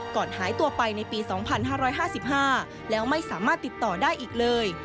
หายตัวไปในปี๒๕๕๕แล้วไม่สามารถติดต่อได้อีกเลย